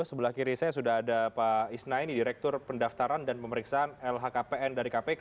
sebelah kiri saya sudah ada pak isnaini direktur pendaftaran dan pemeriksaan lhkpn dari kpk